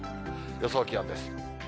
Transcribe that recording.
予想気温です。